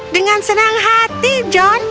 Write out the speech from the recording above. dengan senang hati john